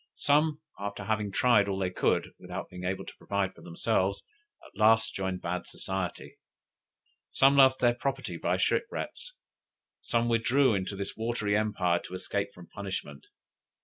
Some, after having tried all they could, without being able to provide for themselves, at last joined bad society. Some lost their property by shipwrecks; some withdrew into this watery empire to escape from punishment.